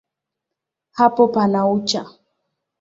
Hapo pana ucha.